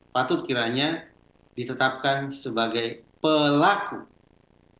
patut kiranya ditetapkan sebagai pelaku